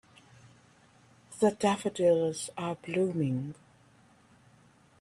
The daffodils are blooming.